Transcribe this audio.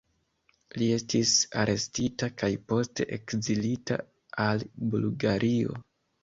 Li estis arestita kaj poste ekzilita al Bulgario.